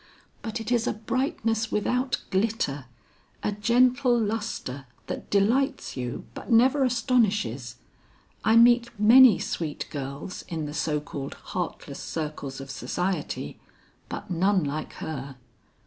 But it is a brightness without glitter, a gentle lustre that delights you but never astonishes. I meet many sweet girls in the so called heartless circles of society, but none like her.